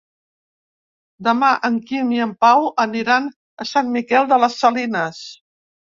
Demà en Quim i en Pau aniran a Sant Miquel de les Salines.